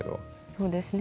そうですね